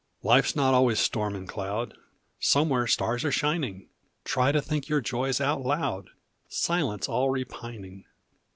Life s not always storm and cloud, Somewhere stars are shining. Try to think your joys out loud, Silence all repining.